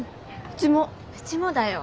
うちもだよ。